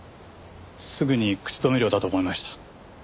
すぐに口止め料だと思いました。